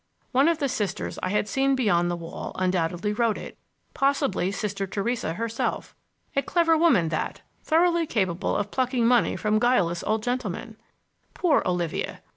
One of the Sisters I had seen beyond the wall undoubtedly wrote it—possibly Sister Theresa herself. A clever woman, that! Thoroughly capable of plucking money from guileless old gentlemen! Poor Olivia!